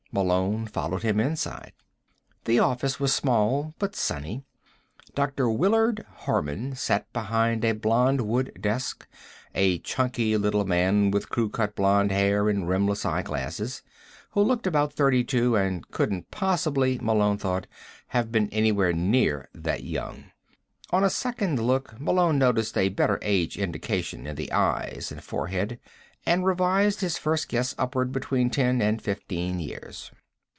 Malone followed him inside. The office was small but sunny. Dr. Willard Harman sat behind a blond wood desk, a chunky little man with crew cut blond hair and rimless eyeglasses, who looked about thirty two and couldn't possibly, Malone thought, have been anywhere near that young. On a second look, Malone noticed a better age indication in the eyes and forehead, and revised his first guess upward between ten and fifteen years.